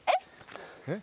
えっ？